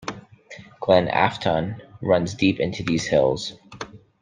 Glen Afton runs deep into these hills.